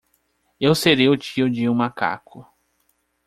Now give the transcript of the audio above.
Eu serei o tio de um macaco!